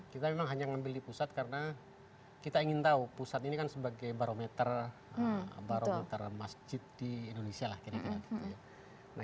kita memang hanya ngambil di pusat karena kita ingin tahu pusat ini kan sebagai barometer masjid di indonesia lah kira kira gitu ya